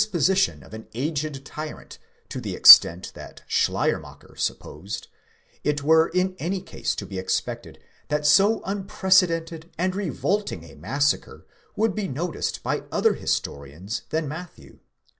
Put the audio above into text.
position of the aged tyrant to the extent that Schleiermacher supposed, it were in any case to be expected that so unprecedented and revolting a massacre would be noticed by other historians than Matthew.!